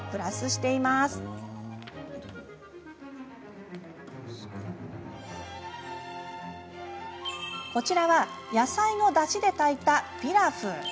そして、こちらは野菜のだしで炊いたピラフ。